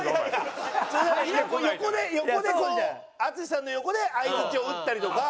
淳さんの横で相づちを打ったりとか。